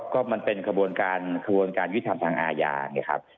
ก็มันเป็นกระบวนการยุทธรรมทางอาญาเนี่ยครับ